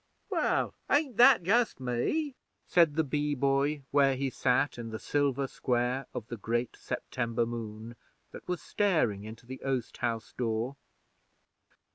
'Well, ain't that just me?' said the Bee Boy, where he sat in the silver square of the great September moon that was staring into the oast house door.